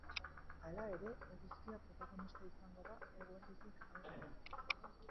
Hala ere, eguzkia protagonista izango da eguerditik aurrera.